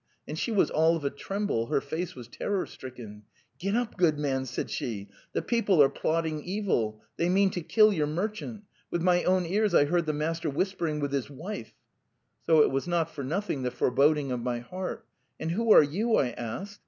And she was all of a tremble; her face was terror stricken. Get ae ile man,' said she; ' the people are plotting evil. . They mean to kill your merchant. With my own ears I heard the master whispering with his wife. ...' So it was not for nothing, the foreboding of my heart! 'And who are you?' I asked.